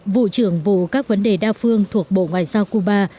vụ trưởng vụ các vấn đề đa phương thuộc bộ ngoại giao cuba